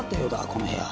この部屋。